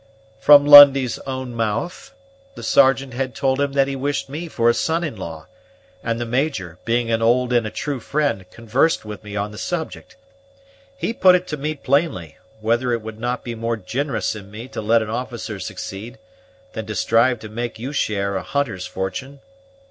"From Lundie's own mouth. The Sergeant had told him that he wished me for a son in law; and the Major, being an old and a true friend, conversed with me on the subject. He put it to me plainly, whether it would not be more ginerous in me to let an officer succeed, than to strive to make you share a hunter's fortune.